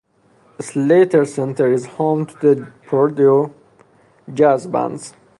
Slayter Center is home to the Purdue Jazz Bands.